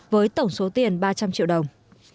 với tổng số tiền ba trăm linh triệu đồng